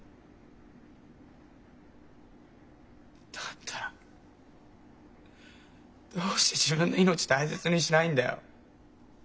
だったらどうして自分の命大切にしないんだよ。